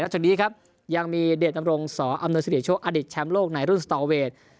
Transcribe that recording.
จากนี้ครับยังมีเดชดำรงสออำนวยสิริโชคอดิตแชมป์โลกในรุ่นสตอเวท